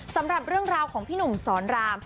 สำหรับเรื่องราวของพี่หนุ่มสอนราม